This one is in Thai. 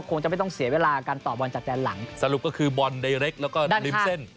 คงจะไม่ต้องเสียเวลาการต่อบอลจากแดนหลังสรุปก็คือบอลใดเล็กแล้วก็ริมเส้น